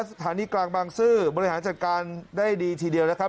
สถานีกลางบางซื่อบริหารจัดการได้ดีทีเดียวนะครับ